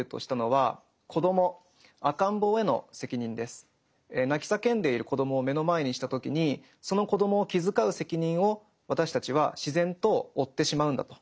彼がそうした泣き叫んでいる子どもを目の前にした時にその子どもを気遣う責任を私たちは自然と負ってしまうんだと。